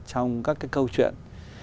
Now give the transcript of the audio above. trong các cái câu chuyện